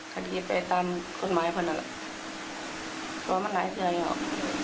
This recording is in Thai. ทันดีไปตามคนไม้พนันตัวมันไหนจะใยออก